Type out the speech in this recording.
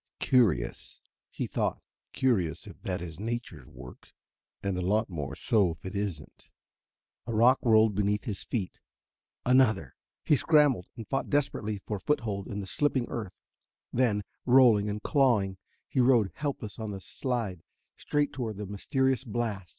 "Curious," he thought; "curious if that is nature's work and a lot more so if it isn't." A rock rolled beneath his feet. Another! He scrambled and fought desperately for foothold in the slipping earth. Then, rolling and clawing, he rode helpless on the slide straight toward the mysterious blast.